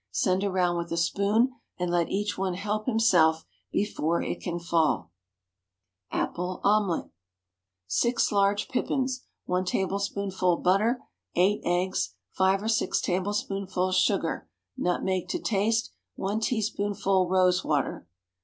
Send around with a spoon, and let each one help himself before it can fall. APPLE OMELETTE. ✠ 6 large pippins. 1 tablespoonful butter. 8 eggs. 5 or 6 tablespoonfuls sugar. Nutmeg to taste. 1 teaspoonful rose water.